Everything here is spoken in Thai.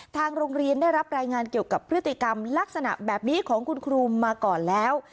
ทางโรงเรียนได้รับรายงานเกี่ยวกับพฤติกรรมลักษณะแบบนี้ของคุณครูมาก่อนแล้ว